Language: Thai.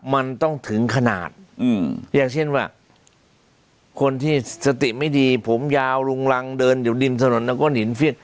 มันต้องถึงขนาดอย่างเช่นว่าคนที่สติไม่ดีผมยาวลุงรังเดินอยู่ริมถนนแล้วก็หินเฟียด